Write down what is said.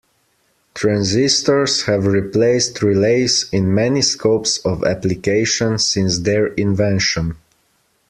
Transistors have replaced relays in many scopes of application since their invention.